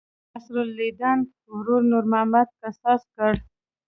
نصرالیدن ورور نور محمد قصاص کړ.